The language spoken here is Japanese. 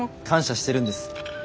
感謝してるんです。